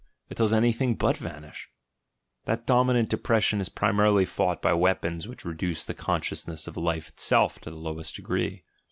it does anything but vanish ...)• That dominant depression is primarily jought by weapons which reduce the consciousness of life itself to the lowest degree.